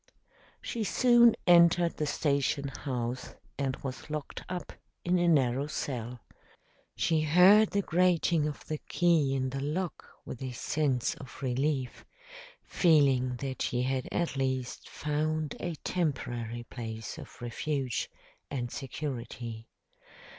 She soon entered the station house and was locked up in a narrow cell. She heard the grating of the key in the lock with a sense of relief, feeling that she had at least found a temporary place of refuge and security.